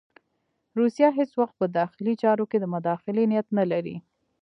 روسیه هېڅ وخت په داخلي چارو کې د مداخلې نیت نه لري.